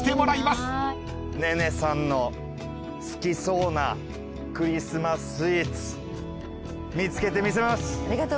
寧々さんの好きそうなクリスマス・スイーツ見つけてみせます。